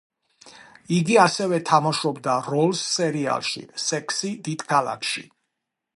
იგი ასევე თამაშობდა როლს სერიალში „სექსი დიდ ქალაქში“.